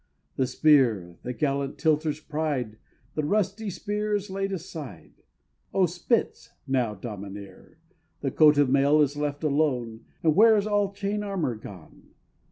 The spear, the gallant tilter's pride, The rusty spear, is laid aside, Oh, spits now domineer! The coat of mail is left alone, And where is all chain armor gone?